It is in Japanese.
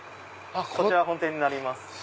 本店になります。